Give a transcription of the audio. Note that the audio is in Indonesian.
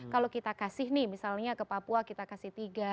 kalau kita kasih nih misalnya ke papua kita kasih tiga